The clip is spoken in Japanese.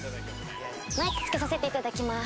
マイクつけさせて頂きます。